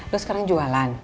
lo sekarang jualan